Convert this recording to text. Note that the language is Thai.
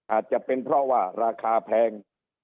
อาจจะเป็นเพราะว่าราคาแพง